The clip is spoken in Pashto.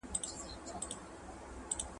ور نیژدې یوه جاله سوه په څپو کي.